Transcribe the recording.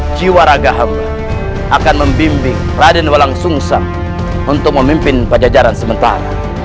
jiwa raga hamba akan membimbing raden walang sungsam untuk memimpin pada jajaran sementara